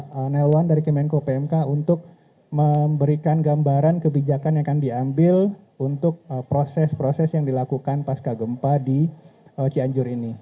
pak nelwan dari kemenko pmk untuk memberikan gambaran kebijakan yang akan diambil untuk proses proses yang dilakukan pasca gempa di cianjur ini